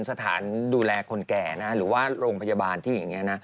สถานดูแลคนแก่นะหรือว่าโรงพยาบาลที่อย่างนี้นะ